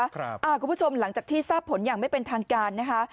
คุณผู้ชมหลังจากที่ทราบผลอย่างไม่เป็นทางการนะคะ